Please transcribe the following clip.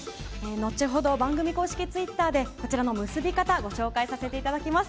後ほど、番組公式ツイッターでこちらの結び方をご紹介させていただきます。